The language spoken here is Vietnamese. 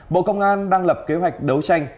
bộ công an đang lập kế hoạch đấu tranh